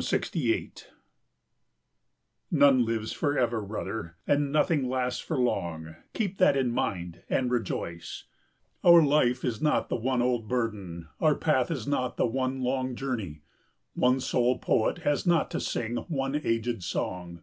68 None lives for ever, brother, and nothing lasts for long. Keep that in mind and rejoice. Our life is not the one old burden, our path is not the one long journey. One sole poet has not to sing one aged song.